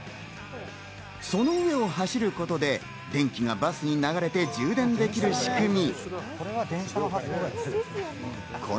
その上を走ることで電気がバスに流れて充電できる仕組み。